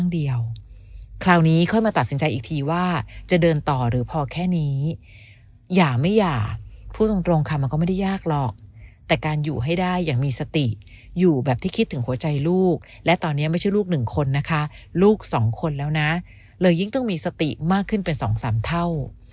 หย่าไม่หย่าพูดตรงค่ะมันก็ไม่ได้ยากหรอกแต่การอยู่ให้ได้อย่างมีสติอยู่แบบที่คิดถึงหัวใจลูกและตอนนี้ไม่ใช่ลูกหนึ่งคนนะคะลูกสองคนแล้วนะเลยยิ่งต้องมีสติมากขึ้นเป็นสองสามเท่า